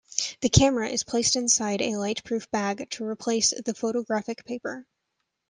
The camera is placed inside a light-proof bag to replace the photographic paper.